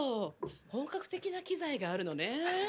本格的な機材があるのね。